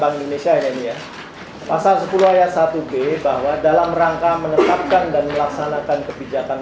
bank indonesia ya ini ya pasal sepuluh ayat satu b bahwa dalam rangka menetapkan dan melaksanakan kebijakan